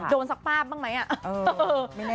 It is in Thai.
โดนสักปราบบ้างไหมอะ